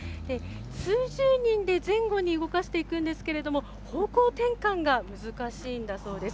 数十人で前後に動かしていくんですけれども、方向転換が難しいんだそうです。